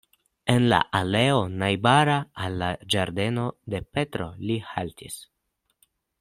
En la aleo, najbara al la ĝardeno de Petro, li haltis.